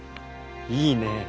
いいね。